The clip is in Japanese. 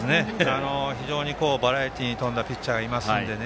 非常にバラエティーに富んだピッチャーがいますのでね。